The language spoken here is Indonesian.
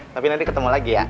tapi nanti ketemu lagi ya